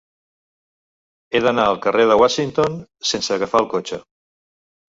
He d'anar al carrer de Washington sense agafar el cotxe.